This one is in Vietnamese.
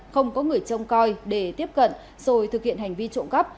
không có người trông coi để tiếp cận rồi thực hiện hành vi trộm cắp